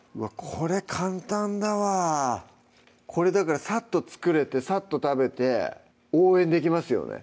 これ簡単だわこれだからサッと作れてサッと食べて応援できますよね